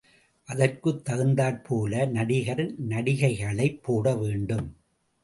அதற்குத் தகுந்தாற்போல நடிகர் நடிகைகளை போட வேண்டும்.